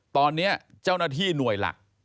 ตอนนี้เจ้าหน้าที่หน่วยหลัก